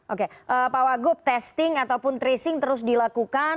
oke pak wagub testing ataupun tracing terus dilakukan